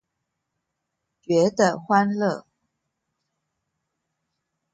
覺得歡樂